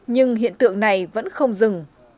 nhưng hiện tượng này vẫn không dừng